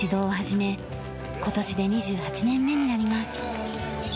今年で２８年目になります。